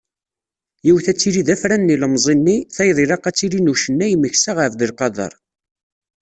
Yiwet ad tili d afran n yilemẓi-nni, tayeḍ ilaq ad tili n ucennay Meksa Ɛabdelqader.